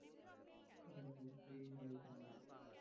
এটা খুবই পরীক্ষামূলক।